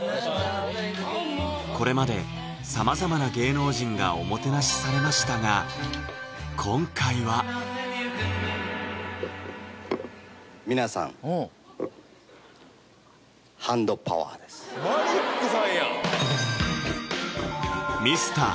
これまでさまざまな芸能人がおもてなしされましたが今回は皆さんマリックさんや！